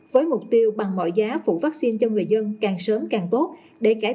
với mục tiêu bằng mọi giá phủ vaccine cho người dân càng sớm càng tốt